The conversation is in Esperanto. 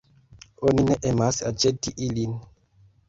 Oni ne emas aĉeti ilin.